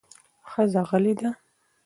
ښځه غلې ده